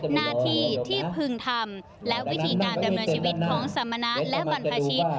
หน้าที่ที่พึงทำและวิธีการดำเนินชีวิตของสมณะและบรรพชิต